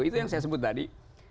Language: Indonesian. itu yang saya sebut tadi